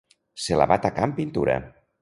Se la va tacar amb pintura.